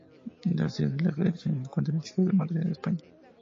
La sede de la federación se encuentra en la ciudad de Madrid, España.